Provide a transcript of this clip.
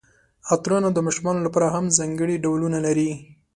عطرونه د ماشومانو لپاره هم ځانګړي ډولونه لري.